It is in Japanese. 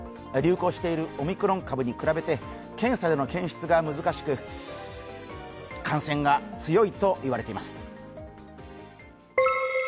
流行しているオミクロン株に比べて検査での検出が難しく、感染が強いと言われています。